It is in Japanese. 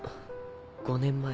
５年前。